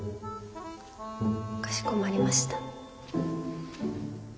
かしこまりました。